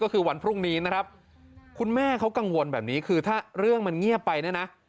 ก็คือวันพรุ่งนี้นะครับคุณแม่เขากังวลแบบนี้คือถ้าเรื่องมันเงียบไปเนี่ยนะ